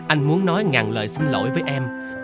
anh muốn nói ngàn lời xin lỗi với em